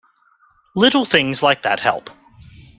Little things like that help.